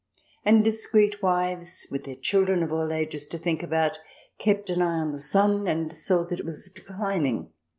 And dis creet wives, with their children of all ages to think about, kept an eye on the sun and saw that it was declining.